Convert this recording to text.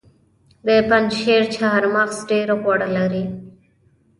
د پنجشیر چهارمغز ډیر غوړ لري.